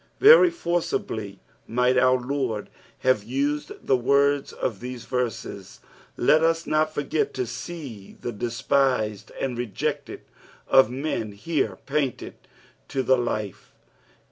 Very forcibly mi^ht our Lord have used the worda of these verses I Let us not forget to see tlie Despised and Rejected of men here painted to the life.